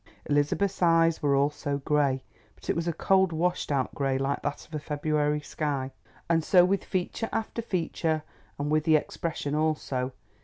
Elizabeth's eyes were also grey, but it was a cold washed out grey like that of a February sky. And so with feature after feature, and with the expression also.